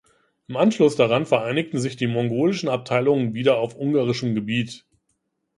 Im Anschluss daran vereinigten sich die mongolischen Abteilungen wieder auf ungarischem Gebiet.